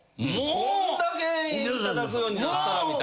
こんだけ頂くようになったらみたいな。